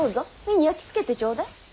目に焼き付けてちょうだい。